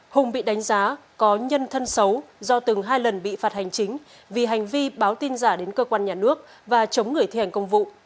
hùng bị đánh giá có nhân thân xấu do từng hai lần bị phạt hành chính vì hành vi báo tin giả đến cơ quan nhà nước và chống người thi hành công vụ